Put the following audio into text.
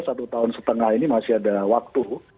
satu tahun setengah ini masih ada waktu